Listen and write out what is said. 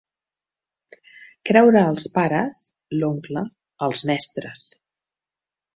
Creure els pares, l'oncle, els mestres.